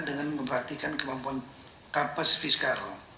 dengan memperhatikan kemampuan kapas fiskal